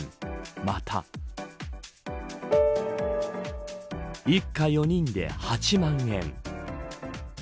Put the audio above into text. また一家４人で８万円。